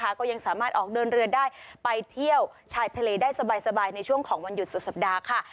ก็ยังสามารถออกเดินเรือได้ไปเที่ยวชายทะเลได้สบายในช่วงของวันหยุดสุดสัปดาห์ค่ะ